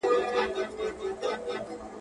چي دا سپین ږیري دروغ وايي که ریشتیا سمېږي!